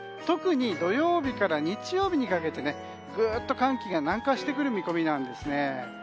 特に土曜日から日曜日にかけて、ぐっと寒気が南下してくる見込みです。